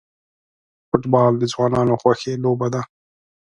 فوټبال د ځوانانو خوښی لوبه ده.